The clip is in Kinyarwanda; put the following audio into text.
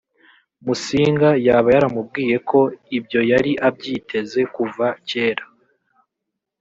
musinga yaba yaramubwiye ko ibyo yari abyiteze kuva kera